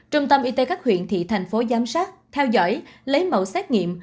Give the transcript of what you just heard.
trung tâm y tế các huyện thị thành phố giám sát theo dõi lấy mẫu xét nghiệm